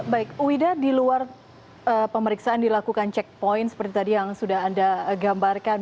baik uwida di luar pemeriksaan dilakukan check point seperti tadi yang sudah anda gambarkan